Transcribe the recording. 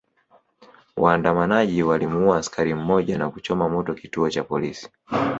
Waandamanaji walimuua askari mmoja na kuchoma moto kituo cha polisi